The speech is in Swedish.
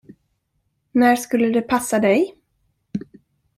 När skulle det passa dig?